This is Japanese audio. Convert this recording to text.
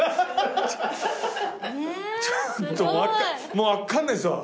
もう分かんないっすわ。